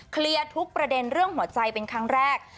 เคลียร์ทุกประเด็นเรื่องหัวใจเป็นครั้งแรก